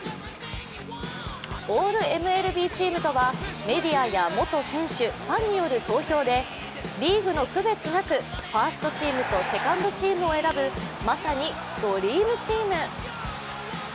オールＭＬＢチームとはメディアや元選手ファンによる投票でリーグの区別なく、ファーストチームとセカンドチームを選ぶ、まさにドリームチーム。